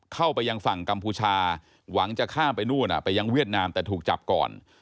เข้าไปยังฝั่งกัมพูชาหวังจะข้ามไปนู่นไปยังเวียดนามแต่ถูกจับก่อน